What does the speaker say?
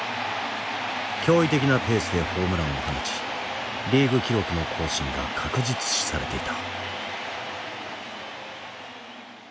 驚異的なペースでホームランを放ちリーグ記録の更新が確実視されていた。